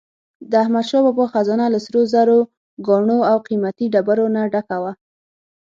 د احمدشاه بابا خزانه له سروزرو، ګاڼو او قیمتي ډبرو نه ډکه وه.